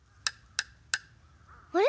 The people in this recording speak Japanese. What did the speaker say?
あれ？